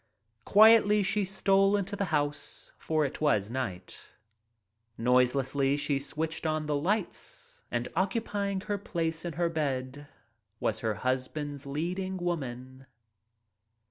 Quietly she stole into the house, for it was night. Noiselessly she switched on the lights — and occupy ing her place in her bed was her husband's leading woman.